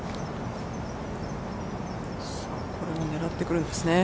これも狙ってくるんですね。